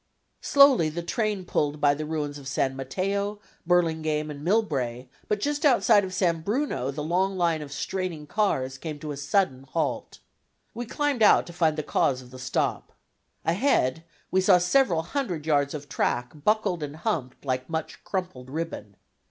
Slowly the train pulled by the ruins of San Mateo, Burlingame, and Milbrae, but just outside of San Bruno the long line of straining cars came to a sudden halt. We climbed out to find out the cause of the stop. Ahead we saw several hundred yards of track buckled and humped like much crumpled ribbon.